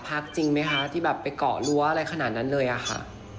จริงไหมคะที่แบบไปเกาะรั้วอะไรขนาดนั้นเลยอะค่ะ